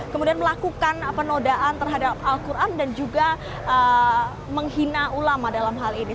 kemudian melakukan penodaan terhadap al quran dan juga menghina ulama dalam hal ini